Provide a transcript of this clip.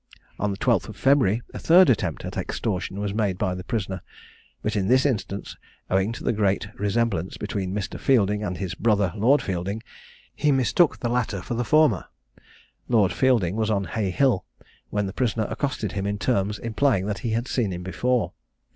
On the 12th February, a third attempt at extortion was made by the prisoner; but in this instance, owing to the great resemblance between Mr. Fielding and his brother Lord Fielding, he mistook the latter for the former; Lord Fielding was on Hay hill, when the prisoner accosted him in terms implying that he had seen him before.